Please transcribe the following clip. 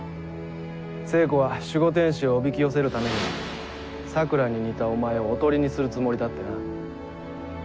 聖子は守護天使をおびき寄せるために桜に似たお前をおとりにするつもりだってな。